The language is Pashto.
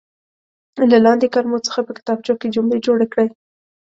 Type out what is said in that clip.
له لاندې کلمو څخه په کتابچو کې جملې جوړې کړئ.